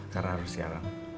karena harus siaran